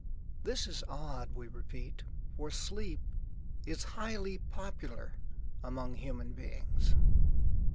This is odd, we repeat, for sleep is highly popular among human beings.